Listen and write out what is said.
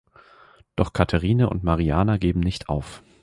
Doch Catherine und Mariana geben nicht auf.